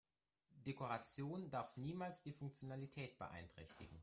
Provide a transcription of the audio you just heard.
Dekoration darf niemals die Funktionalität beeinträchtigen.